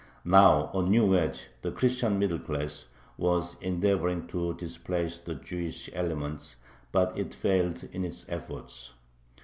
Now a new wedge, the Christian middle class, was endeavoring to displace the Jewish element, but it failed in its efforts.